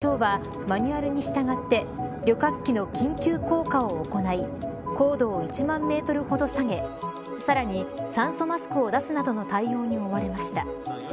このため機長はマニュアルに従って旅客機の緊急降下を行い高度を１万メートルほど下げさらに、酸素マスクを出すなどの対応に追われました。